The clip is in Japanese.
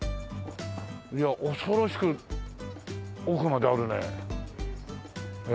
いや恐ろしく奥まであるねえ。